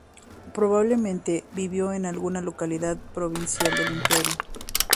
Probablemente vivió en alguna localidad provincial del Imperio.